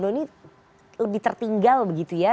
doni lebih tertinggal begitu ya